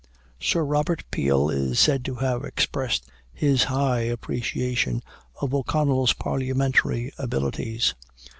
Sir Robert Peel is said to have expressed his high appreciation of O'Connell's parliamentary abilities.